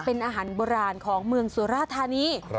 เป็นอาหารโบราณของเมืองสุราธานี